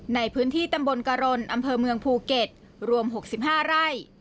ในพื้นที่ตำบลกรณอำเภอเมืองภูเก็ตรวม๖๕ไร่